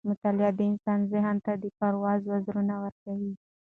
مطالعه د انسان ذهن ته د پرواز وزرونه ورکوي.